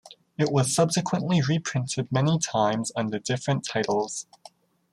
It was subsequently reprinted many times under different titles.